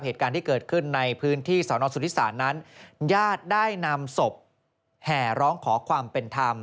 เหตุการณ์ที่เกิดขึ้นในพื้นที่สนสุธิศาลนั้นญาติได้นำศพแห่ร้องขอความเป็นธรรม